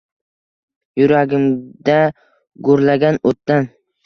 Yuragimda gurlagan oʼtdan